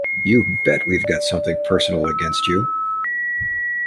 You Bet We've Got Something Personal Against You!